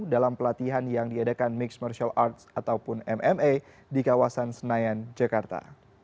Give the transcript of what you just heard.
dalam pelatihan yang diadakan mixed martial arts ataupun mma di kawasan senayan jakarta